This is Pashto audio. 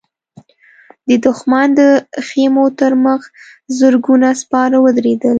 د دښمن د خيمو تر مخ زرګونه سپاره ودرېدل.